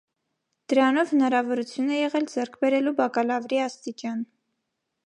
Դրանով հնարավորություն է եղել ձեռք բերելու բակալավրի աստիճան։